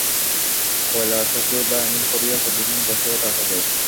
কৈলাসকেই বা এমন করিয়া কতদিন বসাইয়া রাখা যায়!